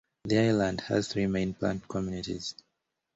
The island has three main plant communities.